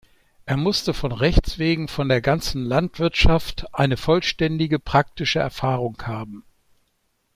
Er musste von Rechts wegen von der ganzen Landwirtschaft eine vollständige praktische Erfahrung haben.